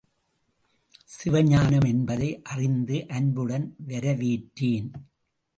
சிவஞானம் என்பதை அறிந்து அன்புடன் வரவேற்றேன்.